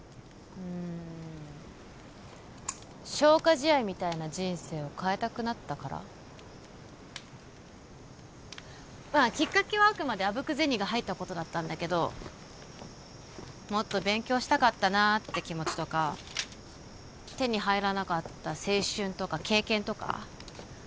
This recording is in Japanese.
うーん消化試合みたいな人生を変えたくなったから？まあきっかけはあくまであぶく銭が入ったことだったんだけどもっと勉強したかったなって気持ちとか手に入らなかった青春とか経験とか？